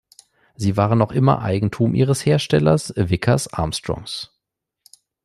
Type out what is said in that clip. Sie waren noch immer Eigentum ihres Herstellers Vickers-Armstrongs.